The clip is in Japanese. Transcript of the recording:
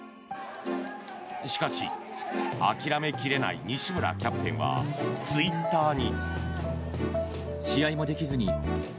しかし諦め切れない西村キャプテンはツイッターに。